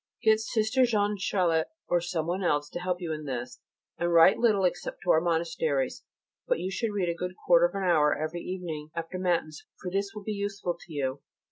Get Sister Jeanne Charlotte or someone else to help you in this, and write little except to our monasteries; but you should read a good quarter of an hour every evening after Matins, for this will be useful to you.